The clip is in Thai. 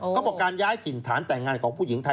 เขาบอกการย้ายถิ่นฐานแต่งงานของผู้หญิงไทย